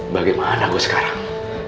bagaimana gue sekarang